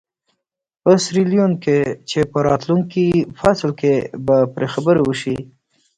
په سیریلیون کې چې په راتلونکي فصل کې به پرې خبرې وشي.